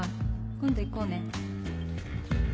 今度行こうね